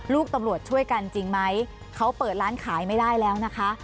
ลูกตำรวจช่วยกันจริงไหมเขาเปิดร้านขายไม่ได้แล้วนะคะ